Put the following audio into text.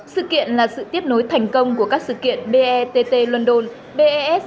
sự kiện là sự tiếp nối thành công của các sự kiện bett london bes